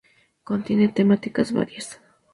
Contienen temáticas varias.